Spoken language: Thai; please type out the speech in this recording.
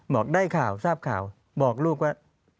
บอกได้ข่าวทราบข่าวบอกลูกว่า